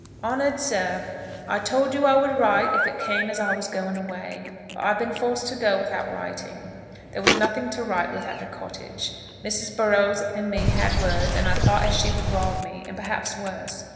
HONOURED SIR, I told you that I would write if it came as I was going away, but I've been forced to go without writing. There was nothing to write with at the cottage. Mrs. Burrows and me had words, and I thought as she would rob me, and perhaps worse.